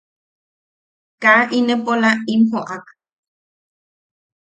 Kaa ne inepola im joʼak.